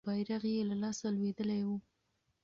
بیرغ یې له لاسه لوېدلی وو.